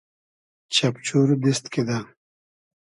چئپچور دیست کیدۂ